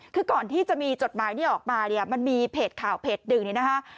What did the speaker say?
คือก่อนที่จะมีจดหมายนี้ออกมาเนี่ยมันมีเพจข่าวเพจหนึ่งเนี่ยนะคะ